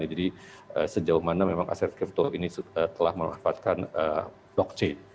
jadi sejauh mana memang aset kripto ini telah melepaskan blockchain